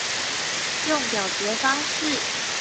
用表決方式